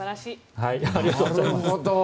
ありがとうございます！